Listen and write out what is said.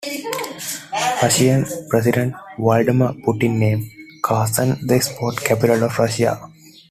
Russian President Vladimir Putin named Kazan the sports capital of Russia.